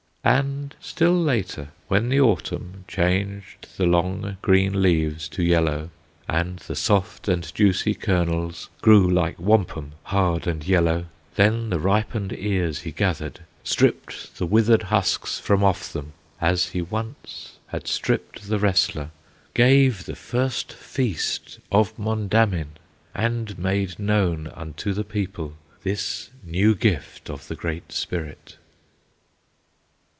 And still later, when the Autumn Changed the long, green leaves to yellow, And the soft and juicy kernels Grew like wampum hard and yellow, Then the ripened ears he gathered, Stripped the withered husks from off them, As he once had stripped the wrestler, Gave the first Feast of Mondamin, And made known unto the people This new gift of the Great Spirit.